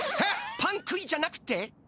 パン食いじゃなくて？